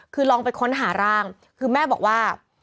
คือลองไปค้นหาร่างคือแม่บอกว่า